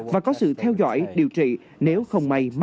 và có sự theo dõi điều trị nếu không may mắc